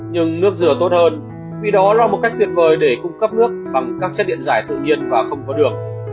nhưng nước dừa tốt hơn vì đó là một cách tuyệt vời để cung cấp nước bằng các chất điện giải tự nhiên và không có đường